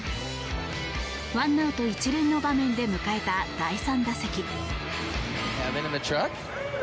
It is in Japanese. １アウト１塁の場面で迎えた第３打席。